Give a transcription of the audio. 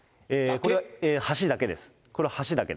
これは橋だけです。